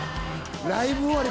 ライブ終わり